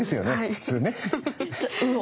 普通ね。